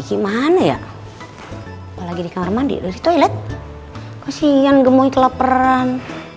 kasih kue aja deh daripada rubos sama gemoy kelaparan